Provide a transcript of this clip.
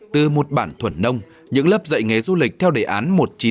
từ một bản thuần nông những lớp dạy nghề du lịch theo đề án một nghìn chín trăm bảy mươi